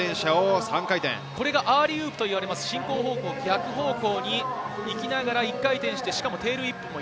これがアーリーウープといわれる進行方向逆方向に行きながら、１回転してテールウィップ。